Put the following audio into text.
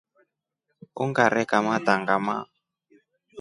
Ungare kamata ngama.